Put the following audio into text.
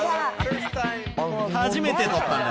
初めて撮ったんだ。